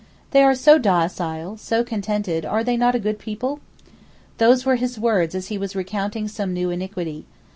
They are so docile, so contented; are they not a good people?' Those were his words as he was recounting some new iniquity.